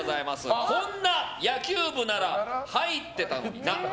こんな野球部なら入ってたのになあ。